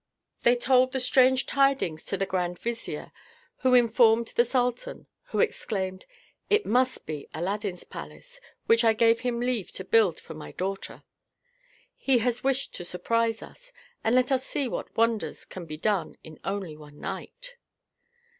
They told the strange tidings to the grand vizier, who informed the sultan, who exclaimed, "It must be Aladdin's palace, which I gave him leave to build for my daughter. He has wished to surprise us, and let us see what wonders can be done in only one night."